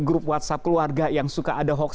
grup whatsapp keluarga yang suka ada hoax